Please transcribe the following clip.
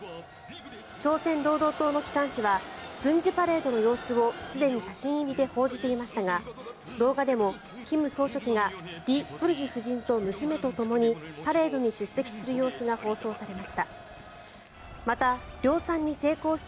朝鮮労働党の機関紙は軍事パレードの様子をすでに写真入りで報じていましたが動画でも金総書記が李雪主夫人と娘とともにパレードに出席する様子が放送されました。